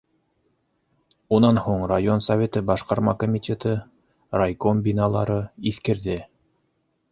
Унан һуң район советы башҡарма комитеты, райком биналары иҫкерҙе.